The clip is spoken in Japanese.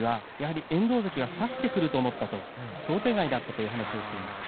遠藤関は差してくると思った想定外だったという話をしました。